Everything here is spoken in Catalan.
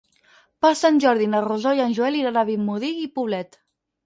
Per Sant Jordi na Rosó i en Joel iran a Vimbodí i Poblet.